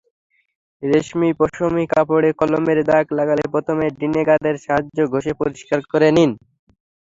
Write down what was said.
রেশমি-পশমি কাপড়ে কলমের দাগ লাগলে প্রথমে ভিনেগারের সাহায্যে ঘষে পরিষ্কার করে নিন।